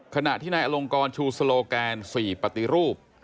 ขณะที่นายอลงกรชูสโลแกน๔ปฏิรูป